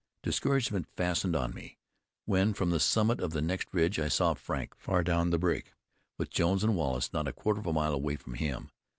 Discouragement fastened on me, when from the summit of the next ridge I saw Frank far down the break, with Jones and Wallace not a quarter of a mile away from him.